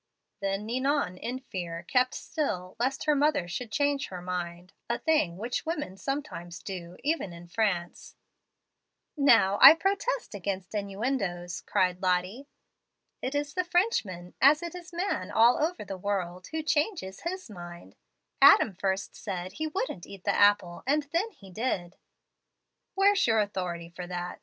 "Then Ninon, in fear, kept still, lest her mother should change her mind, a thing which women sometimes do, even in France " "Now I protest against innuendoes," cried Lottie. "It is the Frenchman, as it is man all over the world, who changes his mind. Adam first said he wouldn't eat the apple, and then he did!" "Where's your authority for that?"